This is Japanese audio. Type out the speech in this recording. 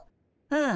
うん。